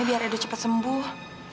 biar edo cepat sembuh